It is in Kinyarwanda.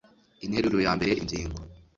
INTERURO YA MBERE INGINGO